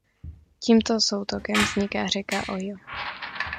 Tímto soutokem vzniká řeka Ohio.